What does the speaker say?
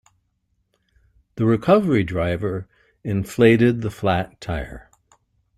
The recovery driver inflated the flat tire.